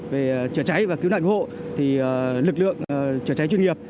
về chữa cháy và cứu nạn cơ hội thì lực lượng chữa cháy chuyên nghiệp